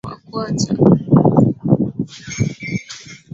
hiyo ni ni ni wajibu wao wa kwanza